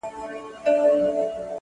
دې لېوني پنځه لمونځونه وکړله نن~